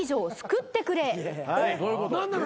何なの？